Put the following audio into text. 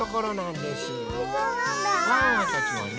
ワンワンたちはね